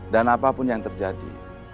dan apapun yang terjadi